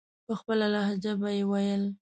په خپله لهجه به یې ویل.